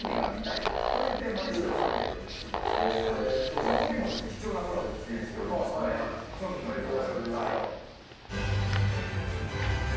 そのときも貴重なコラボ実現しておりますのでそのときの映像ご覧ください。